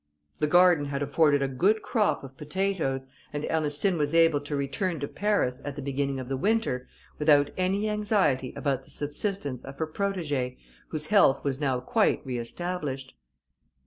The garden had afforded a good crop of potatoes, and Ernestine was able to return to Paris, at the beginning of the winter, without any anxiety about the subsistence of her protegée, whose health was now quite re established.